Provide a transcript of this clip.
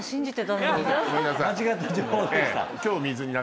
間違った情報でした。